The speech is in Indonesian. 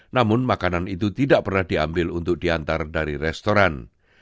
namun makanan itu tidak pernah diambil untuk diantar dari restoran